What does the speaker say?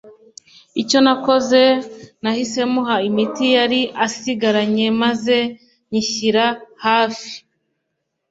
icyo nakoze nahise muha imiti yari asigaranye maze nyishyira hafi